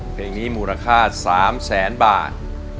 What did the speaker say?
เพลงนี้มูลค่า๓แสนบาท